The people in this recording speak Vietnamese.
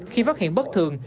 khi phát hiện bất thường